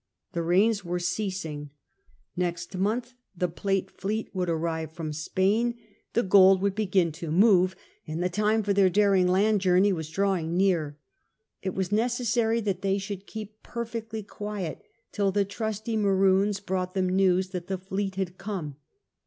The rains were ceasing; next month the Plate fleet would arrive from Spain ; the gold would / Ill AN HEROIC POST MORTEM 35 begin to move; and the time for their daring land joumey was drawing near. It was necessary that they should keep perfectly quiet till the trusty Maroons brought them news that the fleet had come.